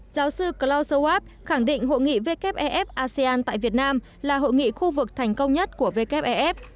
giáo sư klaus schwab khẳng định hội nghị wfef asean tại việt nam là hội nghị khu vực thành công nhất của wfef